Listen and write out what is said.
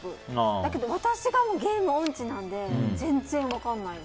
だけど、私がゲーム音痴なので全然分からないです。